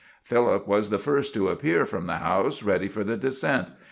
Philip was the first to appear from the house ready for the descent.